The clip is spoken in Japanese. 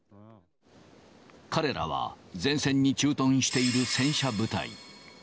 彼らは前線に駐屯している戦車部隊。